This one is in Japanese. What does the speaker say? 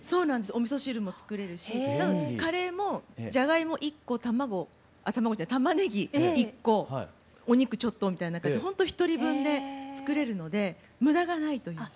おみそ汁も作れるしなのでカレーもじゃがいも１個たまねぎ１個お肉ちょっとみたいな感じでほんと１人分で作れるので無駄がないというか。